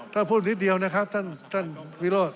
ถ้าพูดนิดเดียวนะครับท่านวิโรธ